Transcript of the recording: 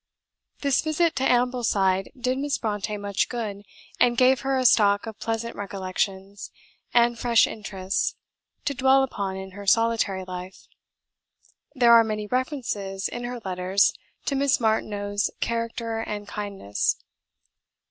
This visit to Ambleside did Miss Brontë much good, and gave her a stock of pleasant recollections, and fresh interests, to dwell upon in her solitary life. There are many references in her letters to Miss Martineau's character and kindness.